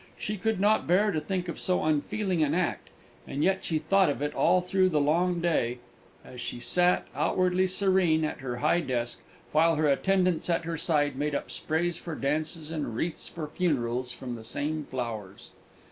She could not bear to think of so unfeeling an act, and yet she thought of it all through the long day, as she sat, outwardly serene, at her high desk, while her attendants at her side made up sprays for dances and wreaths for funerals from the same flowers.